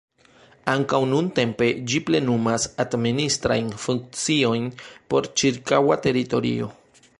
Ankaŭ nuntempe ĝi plenumas administrajn funkciojn por ĉirkaŭa teritorio.